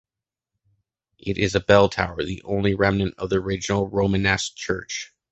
It is a bell tower, the only remnant of the original Romanesque church.